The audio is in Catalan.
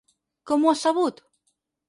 Com ho has sabut?